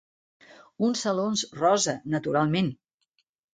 Uns salons rosa, naturalment.